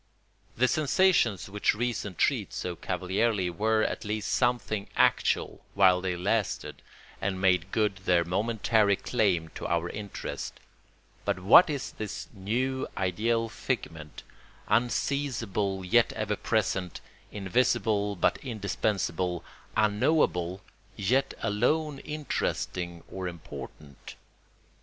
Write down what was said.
The sensations which reason treats so cavalierly were at least something actual while they lasted and made good their momentary claim to our interest; but what is this new ideal figment, unseizable yet ever present, invisible but indispensable, unknowable yet alone interesting or important?